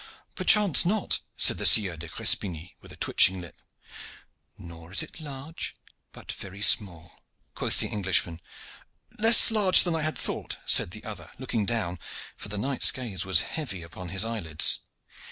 'Perchance not,' said the Sieur de Crespigny with a twitching lip. 'Nor is it large, but very small,' quoth the Englishman. 'Less large than I had thought,' said the other, looking down, for the knight's gaze was heavy upon his eyelids.